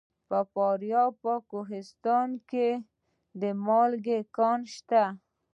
د فاریاب په کوهستان کې د مالګې کان شته.